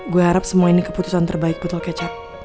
gue harap semua ini keputusan terbaik betul kecap